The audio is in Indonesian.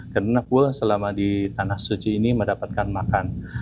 karena pool selama di tanah suci ini mendapatkan makan